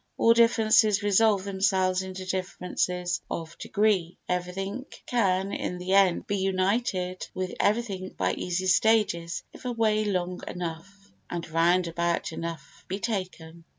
All differences resolve themselves into differences of degree. Everything can in the end be united with everything by easy stages if a way long enough and round about enough be taken.